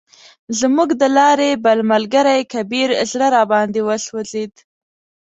زموږ د لارې بل ملګری کبیر زړه راباندې وسوځید.